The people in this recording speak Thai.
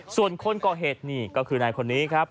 ส่วนคนก่อเหตุนี่ก็คือนายคนนี้ครับ